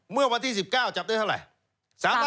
เมื่อวันที่๑๙จับได้เท่าไหร่